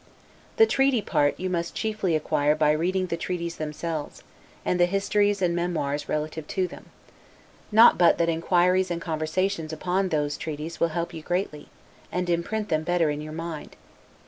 The treaty part you must chiefly acquire by reading the treaties themselves, and the histories and memoirs relative to them; not but that inquiries and conversations upon those treaties will help you greatly, and imprint them better in your mind.